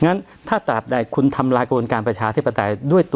งั้นถ้าตามใดคุณทำลายกระบวนการประชาธิปไตย